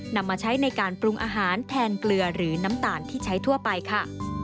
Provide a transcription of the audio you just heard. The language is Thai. นำมาใช้ในการปรุงอาหารแทนเกลือหรือน้ำตาลที่ใช้ทั่วไปค่ะ